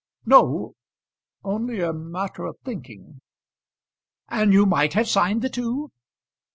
"No; only a matter of thinking." "And you might have signed the two?"